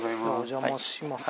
お邪魔します。